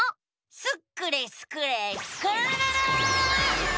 スクれスクれスクるるる！